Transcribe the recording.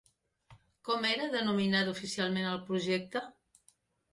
Com era denominat oficialment el projecte?